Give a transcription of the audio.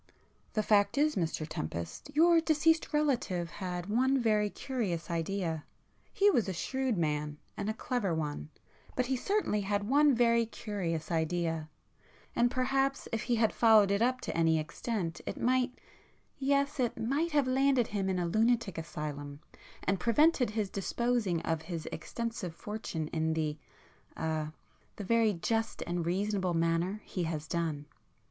"The fact is Mr Tempest, your deceased relative had one very curious idea—he was a shrewd man and a clever one, but he certainly had one very curious idea—and perhaps if he had followed it up to any extent, it might—yes, it might have landed him in a lunatic asylum and prevented his disposing of his extensive fortune in the—er—the very just and reasonable manner he has done.